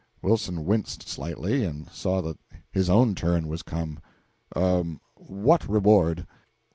Wilson winced slightly, and saw that his own turn was come. "What reward?"